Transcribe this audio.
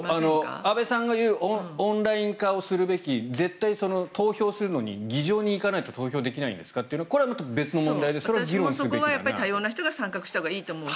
安部さんが言うオンライン化をするべき、投票をするのに議場に行かないと投票できないんですかというのは別の問題で議論したほうがいいと思います。